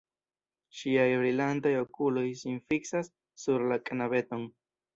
Ŝiaj brilantaj okuloj sin fiksas sur la knabeton.